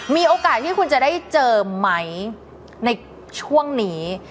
มีโอกาสที่คุณจะได้เจอไหมในช่วงนี้